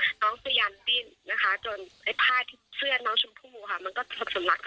ด้วยมือซ้ายนะคะ